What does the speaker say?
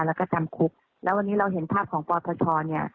แล้วก็จำคุกแล้ววันนี้เราเห็นภาพของปทชเนี่ย